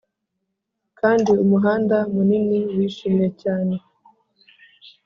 kandi umuhanda munini wishimye cyane;